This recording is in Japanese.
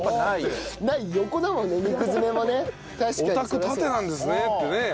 お宅縦なんですねってね。